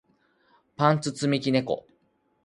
パンツ積み木猫